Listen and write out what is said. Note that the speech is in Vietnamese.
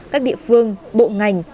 các địa phương bộ ngành